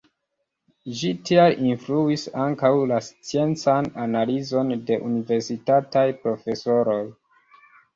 Ĝi tial influis ankaŭ la sciencan analizon de universitataj profesoroj.